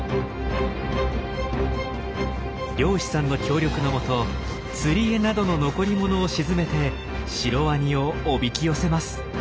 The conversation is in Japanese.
漁師さんの協力のもと釣り餌などの残りものを沈めてシロワニをおびき寄せます。